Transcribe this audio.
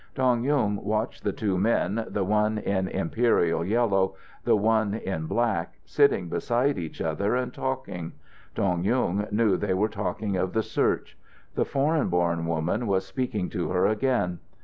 Dong Yung watched the two men, the one in imperial yellow, the one in black, sitting beside each other and talking. Dong Yung knew they were talking of the search. The foreign born woman was speaking to her again.